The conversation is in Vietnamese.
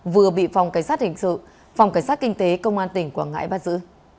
vừa bị phòng cảnh sát kinh tế công an tỉnh quảng ngãi bắt giữ